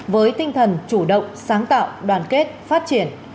với tinh thần chủ động sáng tạo đoàn kết phát triển